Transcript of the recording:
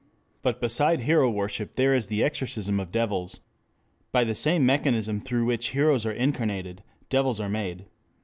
But beside hero worship there is the exorcism of devils. By the same mechanism through which heroes are incarnated, devils are made.